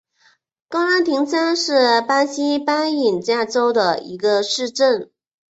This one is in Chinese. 瓜拉廷加是巴西巴伊亚州的一个市镇。